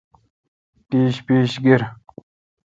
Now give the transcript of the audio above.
پیݭ پیݭ گیر۔